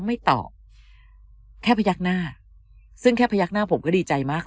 ไม่ตอบแค่พยักหน้าซึ่งแค่พยักหน้าผมก็ดีใจมาก